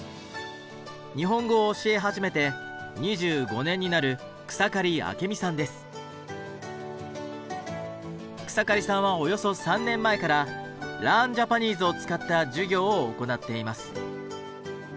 日本語を教え始めて２５年になる草刈さんはおよそ３年前から「ＬｅａｒｎＪａｐａｎｅｓｅ」を使った授業を行っています。